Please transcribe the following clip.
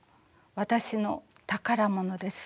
私の宝物です。